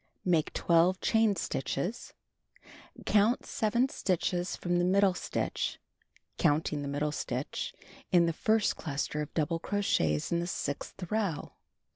Make 12 chain stitches, Count 7 stitches from the middle stitch (counting the middle stitch) in the first cluster of double crochets in the sixth row.